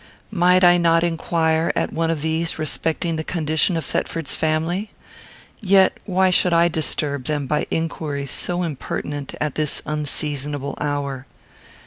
Might I not inquire, at one of these, respecting the condition of Thetford's family? Yet why should I disturb them by inquiries so impertinent at this unseasonable hour?